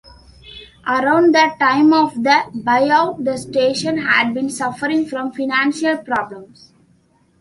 Around the time of the buyout, the station had been suffering from financial problems.